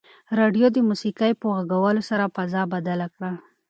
راډیو د موسیقۍ په غږولو سره فضا بدله کړه.